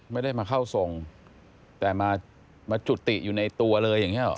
ไม่ได้มาเข้าทรงแต่มาจุติอยู่ในตัวเลยอย่างนี้หรอ